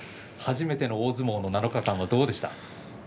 初めての大相撲の７日間はどうでしたか。